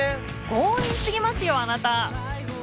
強引すぎますよあなた！